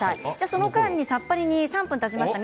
その間にさっぱり煮３分たちました、